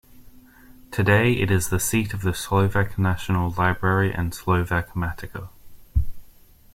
Today, it is the seat of the Slovak National Library and Slovak Matica.